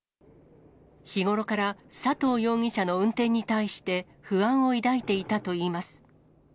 日頃から佐藤容疑者の運転に対して、不安を抱いていたといいます。